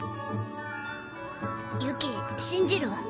ユキ信じる？